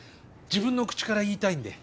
自分の口から言いたいんで。